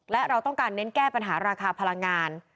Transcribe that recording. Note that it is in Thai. และเราต้องการเน้นแก้ปัญหาราคาพลังงาน